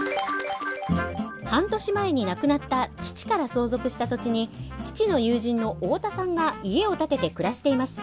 半年前に亡くなった父から相続した土地に父の友人の太田さんが家を建てて暮らしています。